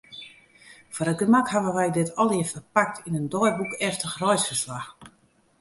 Foar it gemak hawwe wy dit allegearre ferpakt yn in deiboekeftich reisferslach.